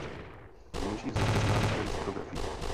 Vnější vzhled je znám již jen z fotografií.